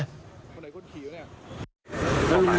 เมื่อไหร่คนผีแล้วเนี่ย